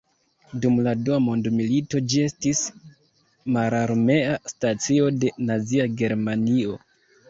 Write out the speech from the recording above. Dum la Dua Mondmilito ĝi estis mararmea stacio de Nazia Germanio.